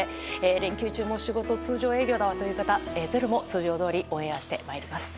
連休中も仕事通常営業という方「ｚｅｒｏ」も通常どおりオンエアしてまいります。